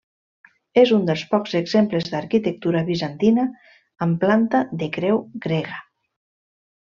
És un dels pocs exemples d'arquitectura bizantina amb planta de creu grega.